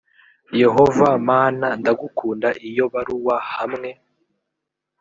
yehova mana ndagukunda iyo baruwa hamwe